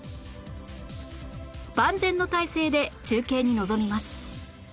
万全の体制で中継に臨みます